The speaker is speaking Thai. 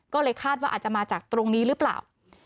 ก็เลยคาดว่าอาจจะมาจากตรงนี้หรือเปล่า